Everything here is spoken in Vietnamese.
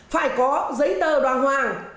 phải có giấy tờ đoàn hoàng